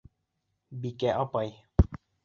Бикә апай!